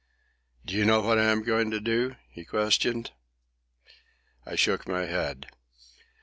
"Do you know what I am going to do?" he questioned. I shook my head.